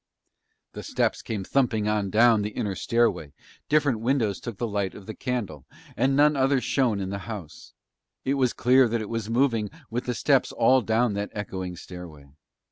The steps came thumping on down the inner stairway, different windows took the light of the candle, and none other shone in the house; it was clear that it was moving with the steps all down that echoing stairway.